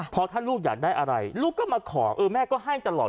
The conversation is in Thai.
เพราะถ้าลูกอยากได้อะไรลูกก็มาขอเออแม่ก็ให้ตลอด